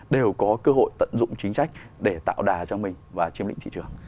đều có cơ hội tận dụng chính sách để tạo đà cho mình và chiếm lĩnh thị trường